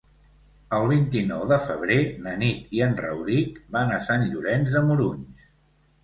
El vint-i-nou de febrer na Nit i en Rauric van a Sant Llorenç de Morunys.